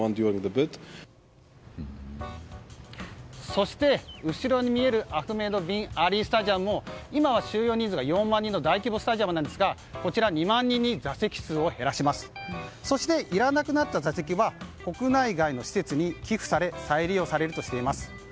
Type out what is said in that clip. そして、後ろに見えるアフメド・ビン・アリー・スタジアムも今は収容人数が４万人の大規模スタジアムですがこちら、２万人に座席数を減らしいらなくなった座席は国内外の施設に寄付され再利用されるとしています。